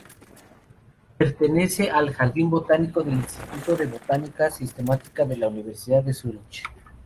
Pertenece al Jardín botánico del Instituto de Botánica Sistemática, de la Universidad de Zúrich.